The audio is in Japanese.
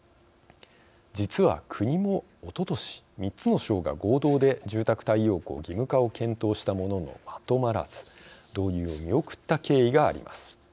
実は国も、おととし３つの省が合同で住宅太陽光義務化を検討したものの、まとまらず導入を見送った経緯があります。